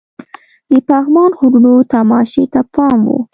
د پغمان غرونو تماشې ته پام وو.